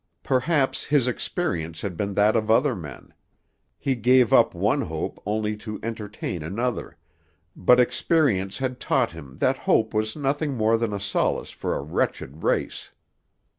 Perhaps his experience had been that of other men; he gave up one hope only to entertain another, but experience had taught him that hope was nothing more than a solace for a wretched race.